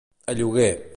A lloguer.